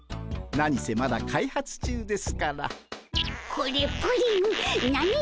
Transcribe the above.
何せまだ開発中ですから。